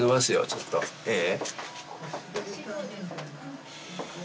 ちょっとええ？